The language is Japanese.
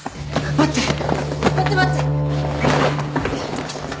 待って待って！